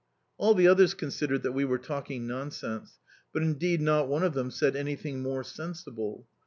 All the others considered that we were talking nonsense, but indeed not one of them said anything more sensible.